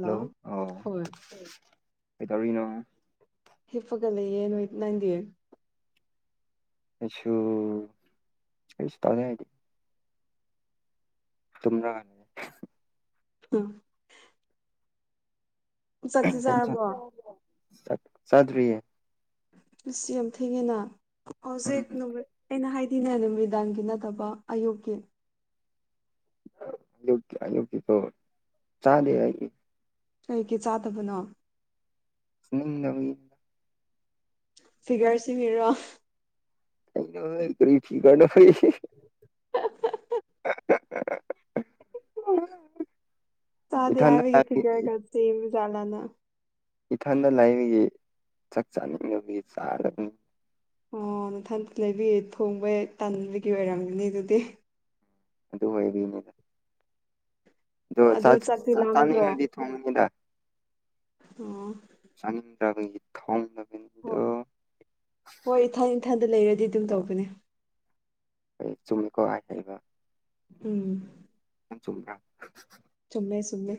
hello ꯑꯧ ꯍꯣꯏ ꯀꯩꯗꯧꯔꯤꯅꯣ ꯍꯤꯞꯄꯒ ꯂꯩꯌꯦ ꯅꯣꯏ ꯅꯪꯗꯤ ꯑꯩꯁꯨ ꯀꯔꯤꯁꯨ ꯇꯧꯗꯦ ꯑꯩꯗꯤ ꯇꯨꯝꯔꯒ ꯎꯝ ꯆꯥꯛꯇꯤ ꯆꯥꯔꯕꯣ [unintelligible] ꯆꯥꯛ ꯆꯥꯗ꯭ꯔꯤꯌꯦ ꯑꯁ ꯌꯥꯝ ꯊꯦꯡꯉꯦꯅ ꯍꯧꯖꯤꯛ ꯎꯝ ꯅꯨꯃꯤꯠ ꯑꯩꯅ ꯍꯥꯏꯗꯤꯅꯦ ꯅꯨꯃꯤꯗꯥꯡꯒꯤ ꯅꯠꯇꯕ ꯑꯌꯨꯛꯀꯤ ꯑꯌꯨꯛ ꯑꯌꯨꯛꯀꯤꯗꯣ ꯆꯥꯗꯦ ꯑꯩ ꯀꯩꯀꯤ ꯆꯥꯗꯕꯅꯣ ꯊꯨꯝꯅꯤꯡꯗꯕꯒꯤ ꯐꯤꯒꯔ ꯁꯦꯝꯃꯤꯔꯣ ꯑꯩꯉꯣꯟꯗ ꯀꯔꯤ ꯐꯤꯒꯔꯅꯣ ꯍꯩ [unintelligible] [unintelligible] ꯆꯥꯗꯦ ꯏꯊꯟꯗ ꯍꯥꯢꯕꯒꯤ ꯐꯤꯒꯔꯒ ꯆꯦꯝꯕꯖꯠꯂꯥꯅ ꯏꯊꯟꯗ ꯂꯩꯕꯒꯤ ꯆꯥꯛ ꯆꯥꯅꯤꯡꯗꯕꯒꯤ ꯆꯥꯗꯕꯅꯤ ꯑꯣ ꯅꯊꯟꯇ ꯂꯩꯕꯒꯤ ꯊꯣꯡꯕ ꯍꯦꯛ ꯇꯟꯕꯒꯤ ꯑꯣꯏꯔꯝꯒꯅꯤ ꯑꯗꯨꯗꯤ ꯑꯗꯨ ꯑꯣꯏꯔꯤꯅꯤꯗ ꯑꯗꯣ ꯑꯗꯨ ꯆꯥꯛ ꯆꯥꯛꯇꯤ ꯆꯥ ꯂꯥꯝꯗ꯭ꯔꯣ ꯆꯥꯅꯤꯡꯉꯗꯤ ꯊꯣꯡꯒꯅꯤꯗ ꯑꯣ ꯆꯥꯅꯤꯡꯗ꯭ꯔꯕꯒꯤ ꯊꯣꯡꯗꯕꯅꯤ ꯍꯣꯏ ꯍꯣꯏ ꯏꯊꯟ ꯏꯊꯟꯗ ꯂꯩꯔꯗꯤ ꯑꯗꯨꯝ ꯇꯧꯕꯅꯦ ꯑꯩ ꯆꯨꯝꯃꯤꯀꯣ ꯍꯥꯏ ꯂꯩꯕ ꯎꯝ [unintelligible] ꯆꯨꯝꯃꯦ ꯆꯨꯝꯃꯦ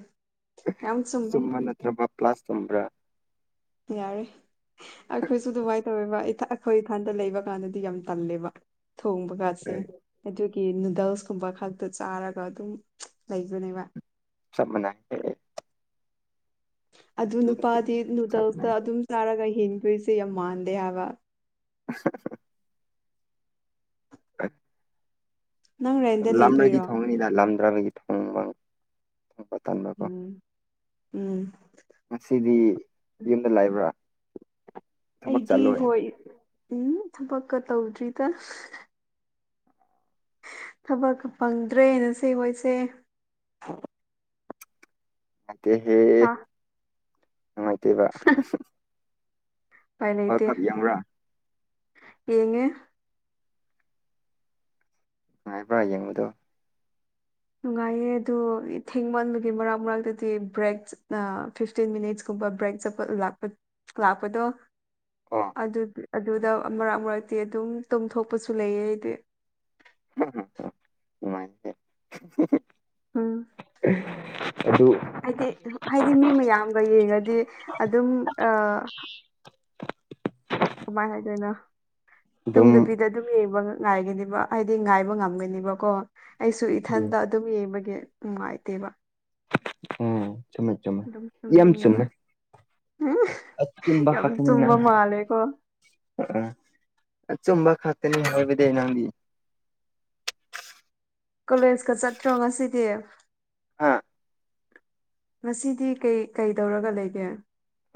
ꯌꯥꯝ ꯆꯨꯝꯃꯦ ꯆꯨꯝꯃ ꯅꯠꯇ꯭ꯔꯕ ꯀ꯭ꯂꯥꯁ ꯇꯨꯝꯕ꯭ꯔ ꯌꯥꯔꯦ ꯑꯩꯈꯣꯏꯁꯨ ꯑꯗꯨꯃꯥꯏꯟ ꯇꯧꯋꯦꯕ ꯢꯊꯥ ꯑꯩꯈꯣꯏ ꯏꯊꯟꯗ ꯂꯩꯕ ꯀꯥꯟꯗꯗꯤ ꯌꯥꯝ ꯇꯜꯂꯦꯕ ꯊꯣꯡꯕ ꯒꯠꯁꯦ ꯑꯗꯨꯒꯤ ꯅꯨꯗꯜꯁ ꯀꯨꯝꯕ ꯈꯛꯇ ꯆꯥꯔꯒ ꯑꯗꯨꯝ ꯂꯩꯕꯅꯦꯕ ꯆꯥꯞ ꯃꯟꯅꯩ ꯑꯦ ꯑꯦ ꯑꯗꯨ ꯅꯨꯄꯥꯗꯤ ꯆꯞ ꯅꯨꯗꯜꯁꯇ ꯃꯥꯟꯅꯩ ꯑꯗꯨꯝ ꯆꯥꯔꯒ ꯍꯤꯡꯗꯣꯏꯖꯦ ꯌꯥꯝ ꯃꯥꯟꯗꯦ ꯍꯥꯏꯕ [unintelligible] [unintelligible] ꯅꯪ ꯔꯦꯟꯗ ꯂꯥꯝꯔꯗꯤ ꯂꯩꯕꯩꯔꯣ ꯊꯣꯡꯉꯅꯤꯗ ꯂꯥꯝꯗ꯭ꯔꯕꯒꯤ ꯊꯣꯡꯕ ꯊꯣꯡꯕ ꯇꯟꯕꯀꯣ ꯎꯝ ꯎꯝ ꯉꯁꯤꯗꯤ ꯌꯨꯝꯗ ꯂꯩꯕ꯭ꯔꯥ ꯊꯕꯛ ꯑꯩꯗꯤ ꯆꯠꯂꯣꯏ ꯍꯣꯏ ꯎꯝ ꯊꯕꯛꯀ ꯇꯧꯗ꯭ꯔꯤꯗ ꯊꯕꯛꯀ ꯐꯪꯗ꯭ꯔꯦ ꯅꯆꯦ ꯍꯣꯏꯁꯦ ꯅꯨꯡꯉꯥꯏꯇꯦꯍꯦ ꯑ ꯅꯨꯡꯉꯥꯏꯇꯦꯕ [unintelligible] ꯄꯥꯏ ꯋꯥꯔꯜ ꯂꯩꯇꯦ ꯀꯞ ꯌꯦꯡꯕ꯭ꯔꯥ ꯌꯦꯡꯉꯦ ꯅꯨꯡꯉꯥꯏꯕ꯭ꯔꯥ ꯌꯦꯡꯕꯗꯣ ꯅꯨꯡꯉꯥꯏꯌꯦ ꯑꯗꯨꯣ ꯊꯦꯡꯃꯟꯕꯥꯒꯤ ꯃꯔꯛ ꯃꯔꯛꯇꯗꯤ ꯕ꯭ꯔꯦꯛ ꯆꯠꯅ ꯐꯤꯐꯇꯤꯟ ꯃꯤꯅꯤꯠꯁꯀꯨꯝꯕ ꯕ꯭ꯔꯦꯛ ꯆꯄ ꯂꯥꯛꯄꯥ ꯂꯥꯛꯄꯗꯣ ꯑꯣ ꯑꯗꯨꯗꯤ ꯑꯗꯨꯗ ꯃꯔꯛ ꯃꯔꯛꯇꯤ ꯑꯗꯨꯝ ꯇꯨꯝꯝꯊꯣꯛꯄꯁꯨ ꯂꯩꯌꯦ ꯑꯩꯗꯤ [unintelligible] ꯏꯃꯥꯏ ꯎꯝ ꯑꯗꯨ ꯍꯥꯏꯗꯤ ꯍꯥꯏꯗꯤ ꯃꯤ ꯃꯌꯥꯝꯒ ꯌꯦꯡꯉꯗꯤ ꯑꯗꯨꯝ ꯑ ꯀꯃꯥꯏ ꯍꯥꯏꯗꯣꯏꯅꯣ ꯑꯗꯨꯝ ꯇꯨꯝꯗꯕꯤꯗ ꯑꯗꯨꯝ ꯌꯦꯡꯕ ꯉꯥꯏꯒꯅꯤꯕ ꯍꯥꯏꯗꯤ ꯉꯥꯏꯕ ꯉꯝꯒꯅꯤꯕꯀꯣ ꯑꯩꯁꯨ ꯏꯊꯟꯇ ꯑꯗꯨꯝ ꯌꯦꯡꯕꯒꯤ ꯅꯨꯡꯉꯥꯏꯇꯦꯕ ꯑ ꯆꯨꯝꯃꯦ ꯆꯨꯝꯃꯦ ꯌꯥꯝ ꯆꯨꯃꯦ [unintelligible] ꯎꯝ ꯌꯥꯝ ꯆꯨꯝꯕꯥ ꯃꯥꯂꯦꯀꯣ ꯑꯝ ꯑꯆꯨꯝꯝꯕ ꯈꯛꯇꯅꯤ ꯍꯥꯏꯕꯗꯤ ꯅꯪꯗꯤ ꯀꯣꯂꯦꯖꯀ ꯆꯠꯇ꯭ꯔꯣ ꯉꯁꯤꯗꯤ ꯍꯥꯥ ꯉꯁꯤꯗꯤ ꯀꯩ ꯀꯩ ꯇꯧꯔꯒ ꯂꯩꯒꯦ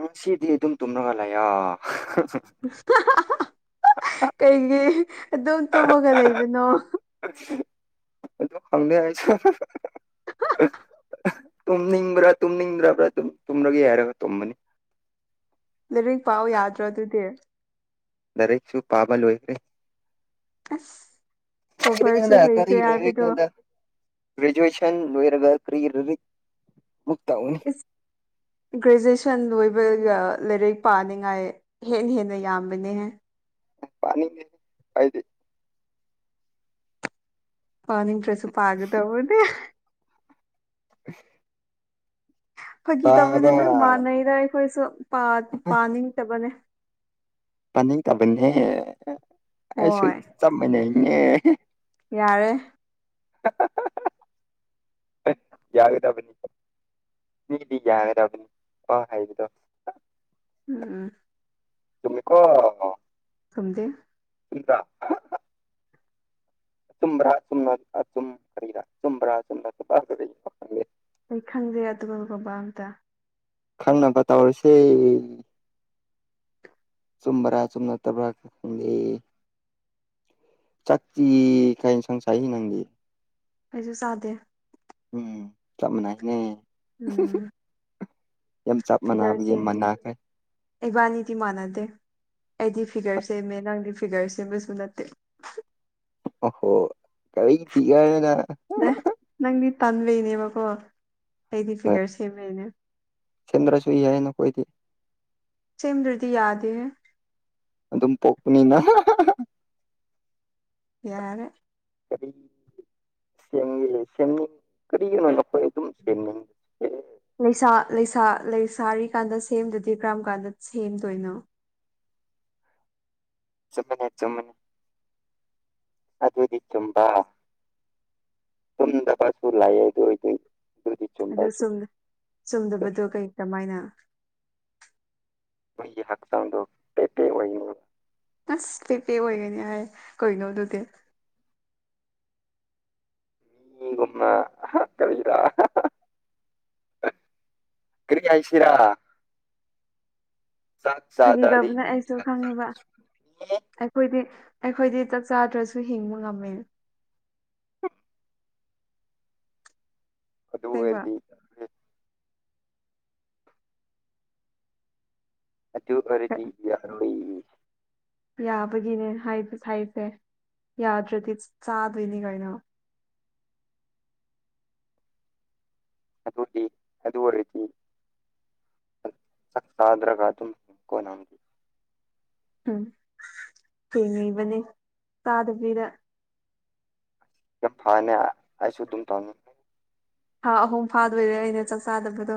ꯎꯝ ꯁꯤꯗꯤ ꯑꯗꯨꯝ ꯇꯨꯝꯔꯒꯂꯩꯌꯥ [unintelligible] [unintelligible] ꯀꯩꯒꯤ ꯑꯗꯨꯝ ꯇꯨꯝꯃꯒ ꯂꯩꯕꯅꯣ ꯑꯩꯗꯣ ꯈꯪꯗꯦ ꯑꯩꯁꯨ ꯇꯨꯝꯅꯤꯡꯕ꯭ꯔꯥ ꯇꯨꯝꯅꯤꯡꯗ꯭ꯔꯕ꯭ꯔꯥ ꯗꯨꯝ ꯇꯨꯝꯔꯒꯦ ꯍꯥꯏꯔꯒ ꯇꯨꯝꯕꯅꯤ ꯂꯥꯏꯔꯤꯛ ꯄꯥꯎ ꯌꯥꯗ꯭ꯔꯣ ꯑꯗꯨꯗꯤ ꯂꯥꯔꯤꯛꯁꯨ ꯄꯥꯕꯥ ꯂꯣꯏꯈ꯭ꯔꯦ ꯑꯁ ꯀꯣꯚꯔꯁꯨ [unintelligible] ꯀꯥꯔꯤ ꯍꯩꯈ꯭ꯔꯦ ꯂꯥꯔꯤꯛ ꯍꯥꯏꯕꯗꯣ ꯅꯣꯗꯥ ꯒ꯭ꯔꯦꯖꯨ꯭ꯌꯦꯁꯟ ꯂꯣꯏꯔꯒ ꯀ꯭ꯔꯤꯒꯤ ꯂꯥꯔꯤꯛ ꯃꯨꯛ ꯇꯧꯅꯤ [unintelligible] ꯒ꯭ꯔꯦꯖꯨꯑꯦꯁꯟ ꯂꯣꯏꯕꯒ ꯂꯥꯏꯔꯤꯛ ꯄꯥꯅꯤꯡꯉꯥꯏ ꯍꯦꯟꯅ ꯍꯦꯟꯅ ꯌꯥꯝꯕꯅꯦꯍꯦ ꯄꯥꯅꯤꯡꯗꯦꯍꯦ ꯑꯩꯗꯤ ꯄꯥꯅꯤꯡꯗ꯭ꯔꯦꯁꯨ ꯄꯥꯒꯗꯕꯅꯦ [unintelligible] ꯈꯣꯏꯒꯤ ꯇꯧꯕꯗꯤ ꯄꯥꯕ ꯂꯣꯏ ꯃꯥꯟꯅꯩꯗ ꯑꯩꯈꯣꯏꯁꯨ ꯄꯥ ꯄꯥꯅꯤꯡꯗꯕꯅꯦ ꯄꯥꯅꯤꯡ ꯇꯥꯕꯟꯅꯦ ꯑꯩꯁꯨ ꯍꯣꯏ ꯆꯞ ꯃꯥꯟꯅꯩꯅꯦ ꯌꯥꯔꯦ [unintelligible] ꯌꯥꯒꯥꯗꯥꯕꯅꯤ ꯃꯤꯗꯤ ꯌꯥꯒꯗꯕꯥꯅꯤ ꯃꯥ ꯍꯥꯏꯕꯗꯣ ꯎꯝ ꯇꯨꯃꯤꯀꯣ ꯈꯨꯝꯗꯦ ꯏꯗ [unintelligible] ꯇꯨꯝꯕ꯭ꯔꯥ ꯆꯨꯝꯅ ꯆꯨꯝꯔ [unintelligible] [unintelligible] ꯑꯩ ꯈꯪꯗꯦ ꯑꯗꯨꯒꯨꯝꯕ ꯑꯝꯇ ꯈꯪꯅꯕ ꯇꯧꯔꯁꯦ ꯆꯨꯝꯕ꯭ꯔꯥ ꯆꯨꯝꯅꯠꯇꯕ꯭ꯔꯥ ꯈꯪꯗꯦ ꯆꯥꯛꯇꯤ ꯀꯏ ꯏꯟꯁꯥꯡ ꯆꯥꯏ ꯅꯪꯗꯤ ꯑꯩꯁꯨ ꯆꯥꯗꯦ ꯎꯝ ꯆꯞ ꯃꯥꯟꯅꯩꯅꯦ ꯎꯝ ꯌꯥꯝ ꯆꯞ ꯃꯥꯟꯅꯕꯒꯤ ꯐꯤꯒꯔꯁꯤ ꯃꯥꯟꯅꯈ꯭ꯔꯦ ꯏꯕꯥꯅꯤꯗꯤ ꯃꯥꯟꯅꯗꯦ ꯑꯩꯗꯤ ꯐꯤꯒꯔ ꯁꯦꯝꯃꯦ ꯅꯪꯗꯤ ꯐꯤꯒꯔ ꯁꯦꯝꯕꯁꯨ ꯅꯠꯇꯦ ꯑꯣ ꯍꯣ ꯑꯩ ꯐꯤꯒꯔꯅ ꯅ ꯅꯪꯗꯤ ꯇꯟꯕꯩꯅꯦꯕꯀꯣ ꯑꯩꯗꯤ ꯐꯤꯒꯔ ꯁꯦꯝꯃꯩꯅꯦ ꯊꯤꯟꯗ꯭ꯔꯁꯨꯨ ꯌꯥꯏꯅꯈꯣꯏꯗꯤ ꯁꯦꯝꯗ꯭ꯔꯗꯤ ꯌꯥꯗꯦꯍꯦ ꯑꯗꯨꯝ ꯄꯣꯛꯄꯅꯤꯅ ꯍꯥ ꯍꯥꯍꯥ ꯌꯥꯔꯦ ꯀꯔꯤ [unintelligible] ꯀꯔꯤꯒꯤꯅꯣ ꯅꯈꯣꯏ ꯑꯗꯨꯝ ꯁꯦꯝꯒꯅꯤ ꯂꯩꯁꯥ ꯂꯩꯁꯥ ꯂꯩꯁꯥꯔꯤꯀꯥꯟꯗ ꯁꯦꯝꯗꯗꯤ ꯀꯔꯝ ꯀꯥꯟꯗ ꯁꯦꯝꯗꯣꯏꯅꯣ ꯆꯨꯝꯃꯤꯅꯦ ꯆꯨꯝꯃꯦ ꯑꯗꯨꯗꯤ ꯆꯨꯝꯕ ꯇꯨꯝꯗꯕꯁꯨ ꯂꯥꯏꯌꯦ ꯑꯗꯨ ꯑꯣꯏꯗꯤ ꯑꯗꯨꯗꯤ ꯑꯗꯨ ꯆꯨꯝꯕꯁꯨ ꯆꯨꯝ ꯆꯨꯝꯗꯕꯗꯣ ꯀꯩ ꯀꯃꯥꯏꯅ ꯃꯣꯏꯒꯤ ꯍꯛꯆꯥꯡꯗꯣ ꯄꯦꯄꯦ ꯑꯣꯏꯅꯤ ꯑꯁ ꯄꯦꯄꯦ ꯑꯣꯏꯒꯅꯤ ꯍꯥꯏ ꯀꯩꯅꯣ ꯑꯗꯨꯗꯤ ꯃꯤꯒꯨꯝꯅ ꯑꯍ ꯀꯔꯤꯗ [unintelligible] ꯑ ꯀꯔꯤ ꯍꯥꯏꯁꯤꯔꯥ ꯆꯥꯛ ꯆꯥꯗ꯭ꯔꯗꯤ ꯐꯥꯒꯤꯇꯧꯕꯅꯦ ꯅꯪꯒꯤ ꯑꯩꯁꯨ ꯍꯛꯆꯥꯡꯗ ꯈꯪꯉꯤꯕ ꯁꯣꯛꯅꯤ ꯑꯩꯈꯣꯏꯗꯤ ꯑꯩꯈꯣꯏꯗꯤ ꯆꯥꯛ ꯆꯥꯗ꯭ꯔꯁꯨ ꯍꯤꯡꯕ ꯉꯝꯃꯦ ꯑꯗꯨ ꯁꯦꯡꯕ ꯑꯣꯏꯔꯗꯤ ꯑꯗꯨ ꯑꯣꯏꯔꯗꯤ ꯌꯥꯔꯣꯏꯌꯦ ꯌꯥꯕꯒꯤꯅꯦ ꯍꯥꯏꯗꯤ ꯍꯥꯏꯁꯦ ꯌꯥꯗ꯭ꯔꯗꯤ ꯆꯥꯗꯣꯏꯅꯤ ꯀꯩꯅꯣ ꯑꯗꯨꯗꯤ ꯑꯗꯨ ꯑꯣꯏꯔꯗꯤ ꯆꯛ ꯆꯥꯗ꯭ꯔꯒꯥ ꯑꯗꯨꯝ ꯀꯣꯅ ꯎꯝ ꯌꯦꯡꯉꯤꯕꯅꯦ ꯆꯥꯗꯕꯤꯗ ꯌꯥꯝ ꯐꯥꯏꯅꯦ ꯑꯩꯁꯨ ꯑꯗꯨꯝ ꯇꯧꯅꯤ ꯊꯥ ꯑꯍꯨꯝ ꯐꯥꯗꯣꯏꯔꯦ ꯑꯩꯅ ꯆꯥꯛ ꯆꯥꯗꯕꯗꯣ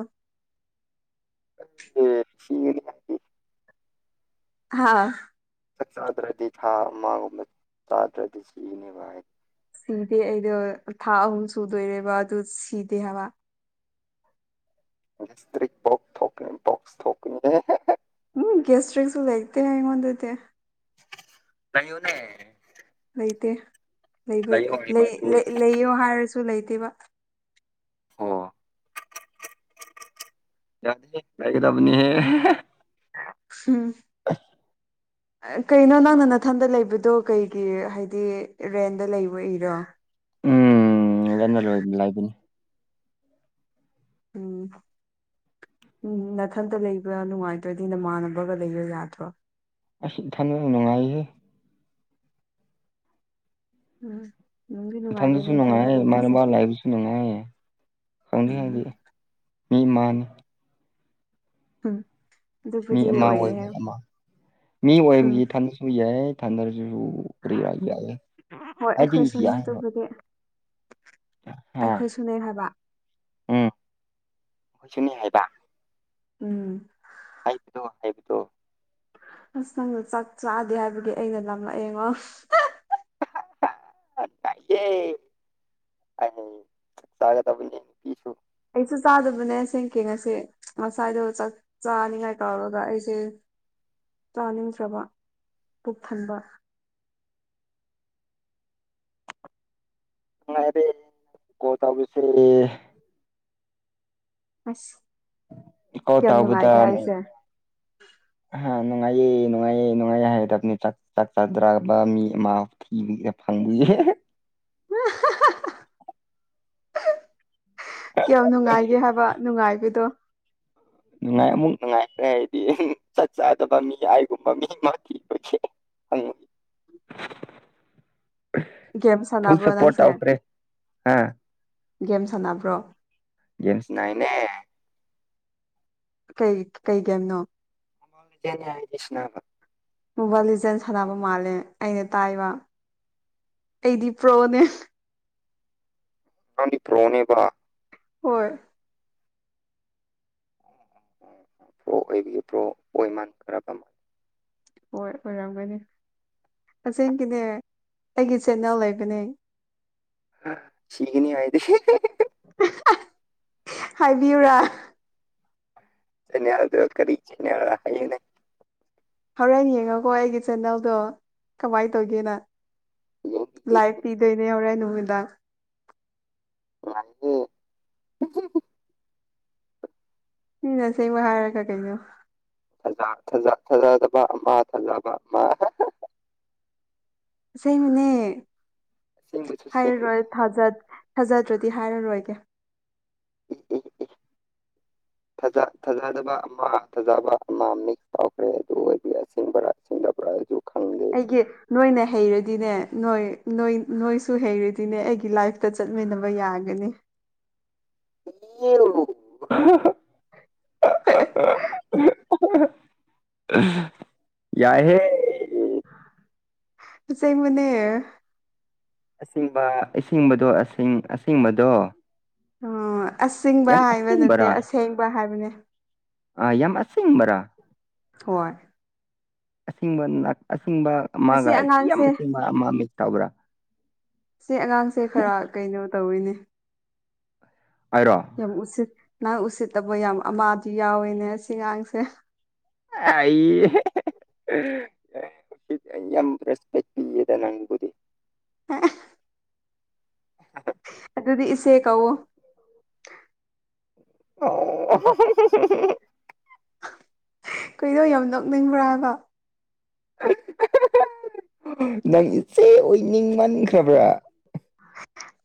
ꯑꯦ ꯊꯤꯔꯒꯦ [unintelligible] ꯍꯥꯥ ꯆꯥꯛ ꯆꯥꯗ꯭ꯔꯗꯤ ꯊꯥ ꯑꯃꯒꯨꯝꯕ ꯆꯥꯗ꯭ꯔꯗꯤ ꯁꯤꯅꯦꯕ ꯍꯥꯏ ꯁꯤꯗꯦ ꯑꯩꯗꯣ ꯊꯥ ꯑꯍꯨꯝ ꯁꯨꯗꯣꯏꯔꯦꯕ ꯑꯗꯨ ꯁꯤꯗꯦ ꯍꯥꯏꯕ ꯃꯤꯁꯇ꯭ꯔꯤꯛ [unintelligible] ꯎꯝ ꯒꯦꯁꯇ꯭ꯔꯤꯛꯁꯨ ꯂꯩꯇꯦ ꯑꯩꯉꯣꯟꯗꯗꯤ ꯂꯩꯌꯨꯅꯦ ꯂꯩꯇꯦ ꯂꯩꯕꯩ ꯂꯩꯌꯣ ꯍꯥꯏꯕ ꯂꯩ ꯑꯗꯨ ꯂꯩ ꯑꯣꯏꯔꯗꯤ ꯂꯩꯌꯣ ꯍꯥꯏꯔꯁꯨ ꯂꯩꯇꯦꯕ ꯑꯣ ꯒꯌꯥꯏꯇ꯭ꯔꯤꯛ ꯂꯩꯒꯗꯕꯅꯦ ꯑꯍꯦ [unintelligible] ꯍꯝ [inaudible] ꯀꯩꯅꯣ ꯅꯪꯅ ꯅꯥꯊꯟꯗ ꯂꯩꯕꯗꯣ ꯀꯩꯒꯤ ꯍꯥꯏꯗꯤ ꯔꯦꯟꯗ ꯂꯩꯕꯩꯔꯣ ꯔꯦꯟꯗꯅ ꯂꯣꯏ ꯂꯥꯏꯕꯅꯤ ꯎꯝ ꯎꯝ ꯅꯊꯟꯇ ꯂꯩꯕ ꯅꯨꯡꯉꯥꯏꯇ꯭ꯔꯗꯤ ꯅꯃꯥꯟꯅꯕꯒ ꯂꯩꯕ ꯌꯥꯗ꯭ꯔꯣ ꯏꯊꯟꯗꯅ ꯅꯨꯡꯉꯥꯏꯍꯦ ꯎꯝ ꯅꯨꯡꯗꯤ ꯏꯊꯟꯗꯁꯨ ꯅꯨꯡꯉꯥꯏꯕꯅꯦ ꯏꯊꯟꯇ ꯅꯨꯡꯉꯥꯏ ꯂꯩꯕꯁꯦ ꯏꯃꯥꯅꯕ ꯂꯥꯏꯕꯁꯨ ꯅꯨꯡꯉꯥꯏ ꯈꯪꯗꯦ ꯎꯝ ꯑꯩꯗꯤ ꯃꯤ ꯏꯃꯥꯅꯦ ꯎꯝ ꯃꯤ ꯑꯗꯨꯕꯨꯗꯤ ꯑꯃ ꯑꯣꯏꯌꯦ ꯑꯣꯏꯕꯅꯤ ꯑꯃꯥ ꯃꯤ ꯎꯝ ꯑꯣꯏꯕꯒꯤ ꯏꯊꯟꯁꯨ ꯌꯥꯏ ꯊꯥꯟꯗꯔꯁꯨ ꯍꯣꯏ [unintelligible] ꯍꯥꯏꯗꯤ ꯑꯩꯈꯣꯏꯁꯨꯅꯦ ꯌꯥꯏꯕ ꯑꯗꯨꯕꯨꯗꯤ ꯍꯥ ꯑꯩꯈꯣꯏꯁꯨꯅꯦ ꯍꯥꯏꯕ ꯎꯝ ꯑꯩꯈꯣꯏꯁꯨꯅꯤ ꯍꯥꯏꯕ ꯎꯝ ꯍꯥꯏꯕꯗꯣ ꯍꯥꯏꯕꯗꯣ ꯑꯁ ꯅꯪꯅ ꯆꯥꯛ ꯆꯥꯗꯦ ꯍꯥꯏꯕꯒꯤ ꯑꯩꯅ ꯂꯥꯝꯂꯛꯑꯦꯉꯣ [unintelligible] ꯑꯩꯁꯨ ꯆꯥꯗꯕꯅꯦ ꯑꯁꯦꯡꯀꯤ ꯉꯁꯤ ꯉꯁꯥꯏꯗꯣ ꯆꯥꯛ ꯆꯥꯅꯤꯉꯥꯏ ꯇꯧꯔꯒ ꯑꯩꯁꯦ ꯆꯥꯅꯤꯡꯇ꯭ꯔꯥꯕ ꯄꯨꯛ ꯊꯟꯕ ꯅꯨꯉꯥꯏꯔꯦ ꯀꯣꯜ ꯇꯧꯕꯁꯦ ꯑꯁ ꯀꯣꯜ ꯌꯥꯝ ꯇꯥꯎꯕꯗ ꯅꯨꯡꯉꯥꯏꯒꯦ ꯃꯤ ꯍꯥꯏꯁꯦ ꯍꯥ ꯅꯨꯡꯉꯥꯏꯌꯦ ꯅꯨꯡꯉꯥꯏꯌꯦ ꯅꯨꯡꯉꯥꯏꯌꯦ ꯍꯥꯏꯒꯗꯝꯅꯤ ꯆꯥꯛ ꯆꯥꯛ ꯆꯥꯗ꯭ꯔꯕꯥ ꯃꯤ ꯑꯃꯥ [unintelligible] [unintelligible] ꯀꯌꯥꯝ ꯅꯨꯡꯉꯥꯏꯒꯦ ꯍꯥꯕ ꯅꯨꯡꯉꯥꯏꯕꯗꯣ ꯅꯨꯡꯉꯥꯏ ꯑꯃꯨꯛ ꯅꯨꯡꯉꯥꯏꯈ꯭ꯔꯦ ꯑꯩꯗꯤ ꯆꯠ ꯆꯥꯗꯕ ꯃꯤ ꯑꯩꯒꯨꯝꯕ ꯃꯤ ꯃꯥ ꯊꯤꯕꯒꯤ ꯒꯦꯝ [unintelligible] ꯐꯨꯜ ꯁꯥꯟꯅꯕ꯭ꯔꯣ ꯁꯄꯣꯔꯠ ꯅꯪꯁꯦ ꯇꯧꯈ꯭ꯔꯦ ꯍꯥ ꯒꯦꯝ ꯁꯥꯅꯕ꯭ꯔꯣ ꯒꯦꯝ ꯁꯥꯅꯩꯅꯦ ꯀꯩ ꯀꯩ ꯒꯦꯝꯅꯣ [unintelligible] ꯃꯣꯕꯥꯏꯜ ꯂꯤꯖꯦꯟ ꯁꯥꯅꯕ ꯃꯥꯜꯂꯦ ꯑꯩꯅ ꯇꯥꯏꯕ ꯑꯩꯗꯤ ꯄ꯭ꯔꯣꯅꯦ ꯅꯪꯗꯤ ꯄ꯭ꯔꯣꯅꯦꯕ ꯍꯣꯏ ꯄ꯭ꯔꯣ ꯑꯣꯏꯕꯤꯄ꯭ꯔꯣ ꯑꯣꯏꯃꯥꯟ ꯈꯔꯕ ꯍꯣꯏ ꯑꯣꯏꯔꯝꯒꯅꯤ ꯑꯁꯦꯡꯀꯤꯅꯦ ꯑꯩꯒꯤ ꯆꯦꯅꯦꯜ ꯂꯩꯕꯅꯦ ꯁꯤꯒꯅꯤ ꯍꯥꯏꯗꯤ [unintelligible] [unintelligible] ꯍꯥꯏꯕꯤꯌꯨꯔꯥ ꯆꯦꯅꯦꯜꯗꯣ ꯀꯔꯤ ꯆꯦꯅꯦꯜꯔ ꯍꯥꯏꯌꯣꯅꯦ ꯍꯧꯔꯦꯟ ꯌꯦꯡꯉꯣꯀꯣ ꯑꯩꯒꯤ ꯆꯦꯅꯦꯜꯗꯣ ꯀꯃꯥꯏ ꯇꯧꯒꯦꯅ ꯂꯥꯏꯐ ꯄꯤꯗꯣꯏꯅꯦ ꯍꯣꯔꯦꯟ ꯅꯨꯃꯤꯗꯥꯡ [unintelligible] ꯃꯤꯅ ꯑꯁꯦꯡꯕ ꯍꯥꯏꯔꯒ ꯀꯩꯅꯣ ꯊꯖꯥ ꯊꯖ ꯊꯥꯖꯗꯕ ꯑꯃꯥ ꯊꯥꯖꯕ ꯑꯃꯥ ꯑꯁꯦꯡꯕꯅꯦ ꯑꯁꯦꯡꯕꯁꯨ ꯁꯦꯡꯉꯤꯅꯤ ꯍꯥꯏꯔꯔꯣꯏꯠ ꯊꯥꯖꯠ ꯊꯥꯖꯗ꯭ꯔꯥꯗꯤ ꯍꯥꯏꯔꯔꯣꯏꯒꯦ ꯏ ꯏ ꯏ ꯐꯖꯥ ꯐꯖꯥꯗꯕ ꯑꯃ ꯐꯖꯥꯕ ꯑꯃ ꯃꯤꯛꯁ ꯇꯧꯈ꯭ꯔꯦ ꯑꯗꯨ ꯑꯣꯏꯗꯤ ꯑꯁꯦꯡꯕꯔ ꯁꯦꯡꯗꯕ꯭ꯔꯥꯁꯨ ꯈꯪꯗꯦ ꯒꯤ ꯅꯣꯏꯅ ꯍꯩꯔꯗꯤꯅꯦ ꯅꯣꯏ ꯅꯣꯏ ꯅꯣꯏꯁꯨ ꯍꯩꯔꯗꯤꯅꯦ ꯑꯩꯒꯤ ꯂꯥꯏꯐ ꯇꯥ ꯆꯠꯃꯤꯟꯅꯕ ꯌꯥꯒꯅꯤ ꯌꯨ ꯌꯥꯏꯍꯦ ꯑꯁꯦꯡꯕꯅꯦ ꯑꯁꯤꯡꯕ ꯏꯁꯤꯡꯕꯗꯣ ꯑꯁꯤꯡ ꯑꯁꯤꯡꯕꯗꯣ ꯑꯁꯤꯡꯕ ꯍꯥꯏꯕ ꯅꯠꯇꯦ ꯑꯁꯦꯡꯕꯔꯥ ꯑꯁꯦꯡꯕ ꯍꯥꯏꯕꯅꯦ ꯑꯥ ꯌꯥꯝ ꯑꯁꯤꯡꯕ꯭ꯔꯥ ꯍꯣꯏ ꯑꯁꯤꯡꯕ ꯅꯠ ꯑꯁꯤꯡꯕ ꯑꯃꯥꯒ ꯑꯁꯤ ꯑꯁꯤꯌꯥꯝ ꯑꯉꯥꯡꯁꯦ ꯑꯁꯤꯡꯕ ꯑꯃ ꯃꯤꯛꯁ ꯇꯧꯕ꯭ꯔꯥ ꯁꯤ ꯑꯉꯥꯡꯁꯦ ꯈꯔ ꯀꯩꯅꯣ ꯇꯧꯋꯤꯅꯦ ꯑꯥꯏꯔꯣ ꯌꯥꯝ ꯎꯁꯤꯠ ꯅꯪ ꯎꯁꯤꯠꯇꯕ ꯌꯥꯝ ꯑꯃꯥꯗꯤ ꯌꯥꯎꯋꯦꯅꯦ ꯑꯁꯤ ꯉꯥꯡꯁꯦ ꯑꯥꯏꯌꯤ ꯎꯁꯤꯠ ꯌꯥꯝ ꯔꯦꯁꯄꯦꯛ ꯄꯤꯌꯦꯗ ꯅꯪ [inaudible] ꯑꯗꯨꯗꯤ ꯏꯆꯦ ꯀꯧꯋꯣ [inaudible] ꯀꯩꯅꯣ ꯌꯥꯝ ꯅꯣꯛꯅꯤꯡꯕ꯭ꯔꯥꯕ ꯅꯪ ꯏꯆꯦ ꯑꯣꯏꯅꯤꯡ ꯃꯥꯟꯈ꯭ꯔꯥꯕ꯭ꯔꯥ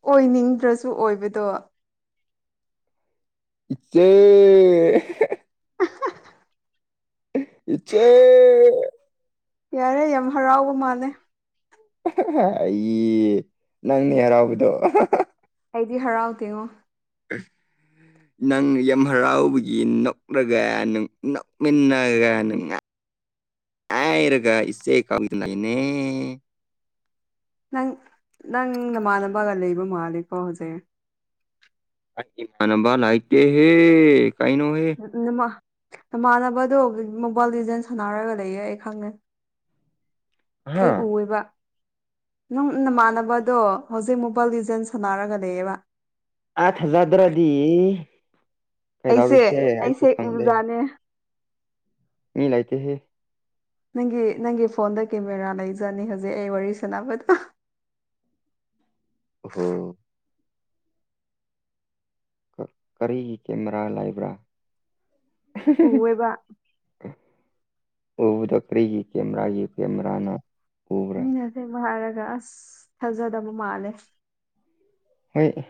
ꯑꯣꯏꯅꯤꯡꯗ꯭ꯔꯥꯁꯨ ꯑꯣꯏꯕꯗꯣ ꯏꯆꯦ ꯏꯆꯦ ꯌꯥꯔꯦ ꯌꯥꯝ ꯍꯔꯥꯎꯕ ꯃꯥꯜꯂꯦ ꯑꯩ ꯅꯪꯅꯦ ꯍꯔꯥꯎꯕꯗꯣ ꯑꯩꯗꯤ ꯍꯔꯥꯎꯗꯦꯉꯣ [inaudible] ꯅꯪ ꯌꯥꯝ ꯍꯔꯥꯎꯕꯒꯤ ꯅꯣꯛꯂꯒ ꯅꫭꯛ ꯅꯣꯛꯃꯤꯟꯅꯒ ꯉꯥꯡ ꯍꯥꯏꯔꯒ ꯏꯆꯦ ꯀꯧꯋꯤꯇꯨꯅꯤꯅꯦ ꯅꯪ ꯅꯪ ꯅꯃꯥꯟꯅꯕꯒ ꯂꯩꯕ ꯃꯥꯂꯦꯀꯣ ꯍꯧꯖꯤꯛ ꯑꯩꯒꯤ ꯢꯃꯥꯟꯅꯕ ꯂꯥꯏꯇꯦ ꯍꯦ ꯀꯩꯅꯣ ꯍꯦ ꯅꯃꯥꯟ ꯅꯃꯥꯟꯅꯕꯗꯣ ꯃꯣꯕꯥꯏꯜ ꯂꯤꯖꯦꯟ꯭ꯁ ꯁꯥꯟꯅꯔꯒ ꯂꯩꯌꯦ ꯑꯩ ꯈꯪꯉꯦ ꯑꯩ ꯍꯥꯥ ꯎꯑꯦꯕ ꯅꯪ ꯅꯃꯥꯟꯅꯕꯗꯣ ꯍꯧꯖꯤꯛ ꯃꯣꯕꯥꯏꯜ ꯂꯤꯖꯦꯟ꯭ꯁ ꯁꯥꯟꯅꯔꯒ ꯂꯩꯌꯦꯕ ꯑ ꯊꯥꯖꯗ꯭ꯔꯥꯗꯤ ꯑꯩꯁꯦ ꯀꯩꯗꯧꯔꯤꯁꯦ ꯑꯩꯁꯨ ꯑꯩꯁꯦ ꯈꯪꯗꯦ ꯎꯖꯥꯠꯅꯦ ꯃꯤ ꯂꯩꯇꯦꯍꯦ ꯅꯪꯒꯤ ꯅꯪꯒꯤ ꯐꯣꯟꯗ ꯀꯦꯃꯦꯔꯥ ꯂꯩꯖꯅꯤ ꯍꯧꯖꯤꯛ ꯑꯩ ꯋꯥꯔꯤ ꯁꯥꯟꯅꯕꯗꯣ ꯑꯣꯍꯣ ꯀꯔꯤꯒꯤ ꯀꯦꯃꯦꯔꯥ ꯂꯩꯕ꯭ꯔꯥ ꯎꯑꯦꯕ ꯎꯕꯗ ꯀꯔꯤꯒꯤ ꯀꯦꯃꯦꯔꯥꯒꯤ ꯀꯦꯃꯦꯔꯅꯣ ꯎ ꯃꯤꯅ ꯑꯁꯦꯡꯕ ꯍꯥꯏꯔꯒ ꯑꯁ ꯊꯥꯖꯗꯕ ꯃꯥꯜꯂꯦ ꯍꫭꯏ